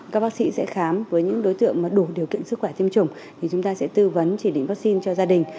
các bác sĩ sẽ khám với những đối tượng mà đủ điều kiện sức khỏe tiêm chủng thì chúng ta sẽ tư vấn chỉ định vaccine cho gia đình